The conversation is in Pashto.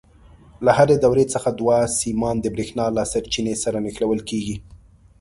له هرې دورې څخه دوه سیمان د برېښنا له سرچینې سره نښلول کېږي.